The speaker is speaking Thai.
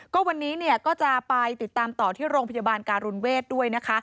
ก็วันนี้เนี่ยก็จะไปติดตามต่อที่โรงพยาบาลการุณเวทด้วยนะคะ